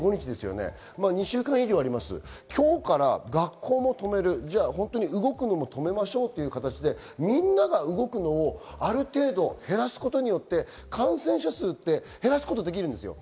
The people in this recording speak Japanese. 今日から学校も止める、動くのも止めましょうという形でみんなが動くのをある程度減らすことによって、感染者数って減らすことができるんですよ。